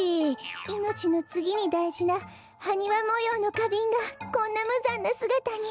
いのちのつぎにだいじなはにわもようのかびんがこんなむざんなすがたに。